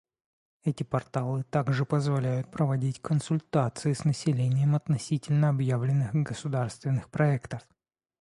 Эти порталы также позволяют проводить консультации с населением относительно объявленных государственных проектов.